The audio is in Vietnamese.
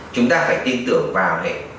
chúng ta phải tin tưởng vào thế